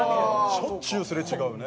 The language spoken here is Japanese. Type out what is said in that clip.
しょっちゅうすれ違うね。